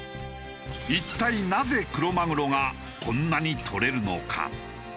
一体なぜクロマグロがこんなにとれるのか？